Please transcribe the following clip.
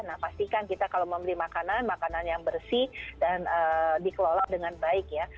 nah pastikan kita kalau membeli makanan makanan yang bersih dan dikelola dengan baik ya